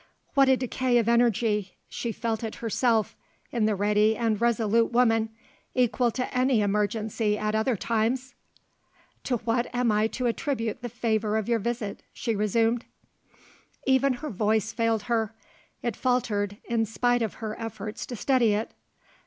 What a decay of energy (she felt it herself) in the ready and resolute woman, equal to any emergency at other times! "To what am I to attribute the favour of your visit?" she resumed. Even her voice failed her: it faltered in spite of her efforts to steady it.